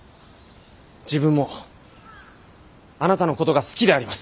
自分もあなたの事が好きであります！